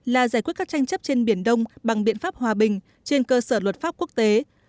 là giải quyết các tranh chấp trên biển đông bằng biện pháp hòa bình trên cơ sở luật pháp quốc tế